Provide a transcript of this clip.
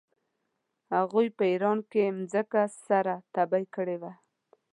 هغوی په ایران کې مځکه سره تبې کړې وه.